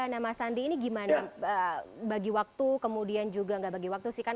nah mas andi ini gimana bagi waktu kemudian juga nggak bagi waktu sih kan